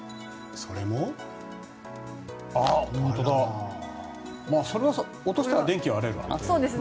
それは落としたら電気は割れるよね。